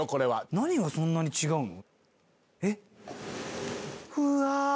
何がそんなに違うの？